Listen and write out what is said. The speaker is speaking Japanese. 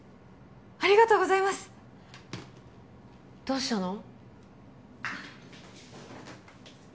ありがとうございますどうしたの？